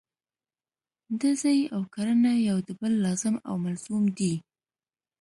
ډزې او کرنه یو د بل لازم او ملزوم دي.